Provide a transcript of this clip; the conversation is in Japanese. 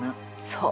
そう。